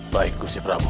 baik gusti prabu